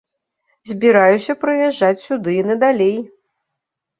Збіраюся прыязджаць сюды і надалей.